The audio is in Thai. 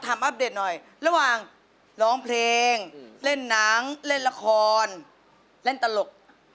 ถ้าพี่ตั๊กเล่นตลกก็เล่นตลก